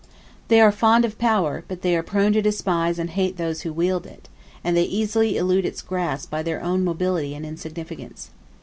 They are fond of power; but they are prone to despise and hate those who wield it, and they easily elude its grasp by their own mobility and insignificance.